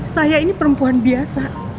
saya ini perempuan biasa